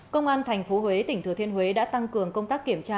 công an tp huế tỉnh thừa thiên huế đã tăng cường công tác kiểm tra